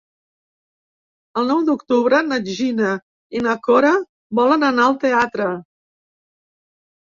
El nou d'octubre na Gina i na Cora volen anar al teatre.